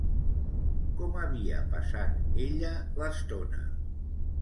Com havia passat ella l'estona?